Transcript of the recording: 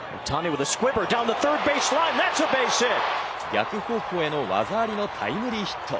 逆方向への技ありのタイムリーヒット。